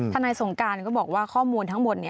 นายสงการก็บอกว่าข้อมูลทั้งหมด